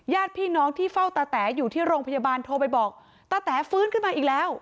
ญาติพี่น้องที่เฝ้าตาแต๋อยู่ที่โรงพยาบาลโทรไปบอกตาแต๋ฟื้นขึ้นมาอีกแล้ว